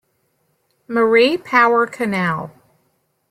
Marie Power Canal.